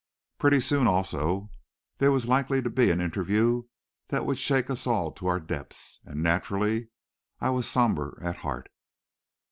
Pretty soon, also, there was likely to be an interview that would shake us all to our depths, and naturally, I was somber at heart.